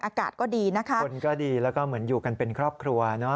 อากาศก็ดีนะคะคนก็ดีแล้วก็เหมือนอยู่กันเป็นครอบครัวเนอะ